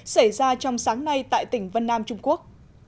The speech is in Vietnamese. xảy ra trong sáng nay tại tỉnh vân nam trung quốc